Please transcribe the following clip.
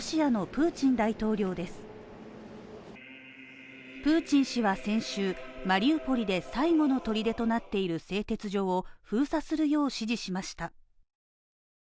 プーチン氏は先週、マリウポリで最後の砦となっている製鉄所を封鎖するよう指示しました。